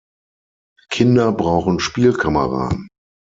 Kinder brauchen Spielkameraden.